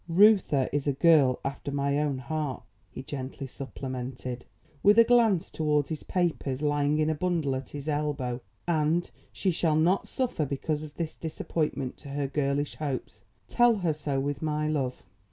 "Reuther is a girl after my own heart," he gently supplemented, with a glance towards his papers lying in a bundle at his elbow, "and she shall not suffer because of this disappointment to her girlish hopes. Tell her so with my love."